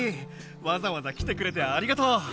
わざわざ来てくれてありがとう。